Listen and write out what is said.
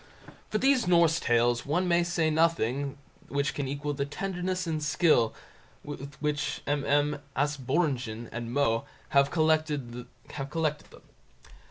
For these Norse Tales one may say that nothing can equal the tenderness and skill with which MM. Asbjörnsen and Moe have collected them.